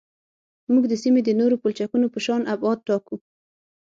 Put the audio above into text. موږ د سیمې د نورو پلچکونو په شان ابعاد ټاکو